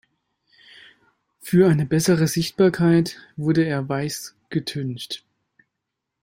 Für eine bessere Sichtbarkeit wurde er weiß getüncht.